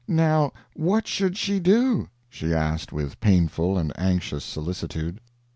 "Now, what should she do?" she asked with painful and anxious solicitude.